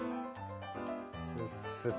スッスッと。